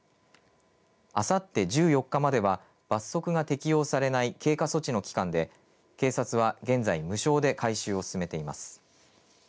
あさって１４日までは罰則が適用されない経過措置の期間で警察は現在、無償で回収を進めています。